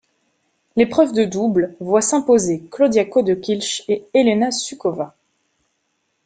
L'épreuve de double voit s'imposer Claudia Kohde-Kilsch et Helena Suková.